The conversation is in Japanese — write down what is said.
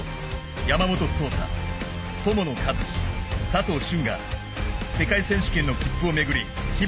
山本草太、友野一希佐藤駿が世界選手権の切符を巡り